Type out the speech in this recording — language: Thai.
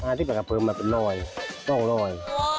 อาศิสต์อากาฟเพิร์มมันเป็นลอยต้องลอย